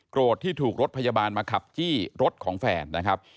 ที่ถูกรถพยาบาลมาขับจี้รถของแฟนนะครับ